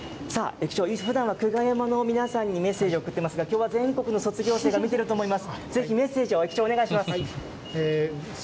さあ、駅長、ふだんは久我山の皆さんにメッセージ送ってますが、きょうは全国の卒業生が見てると思います。